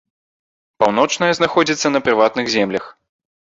Паўночная знаходзіцца на прыватных землях.